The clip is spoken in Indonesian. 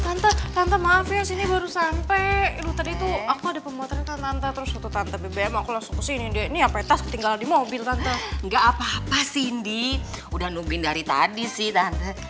tante tante maaf ya sini baru sampai lu tadi tuh aku ada pemotretan tante terus untuk tante bbm aku langsung ke sini deh ini apa itu tinggal di mobil tante nggak apa apa sih indy udah nungguin dari tadi sih tante